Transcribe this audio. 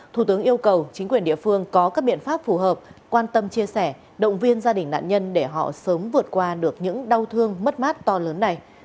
thủ tướng yêu cầu chính quyền địa phương có các biện pháp phù hợp quan tâm chia sẻ động viên gia đình nạn nhân để họ sớm vượt qua được những đau thương mất mát to lớn này